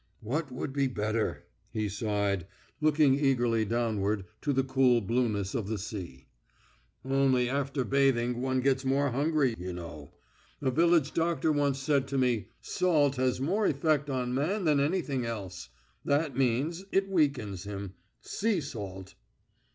"What would be better?" he sighed, looking eagerly downward to the cool blueness of the sea. "Only, after bathing, one gets more hungry, you know. A village doctor once said to me: 'Salt has more effect on man than anything else ... that means, it weakens him ... sea salt....'"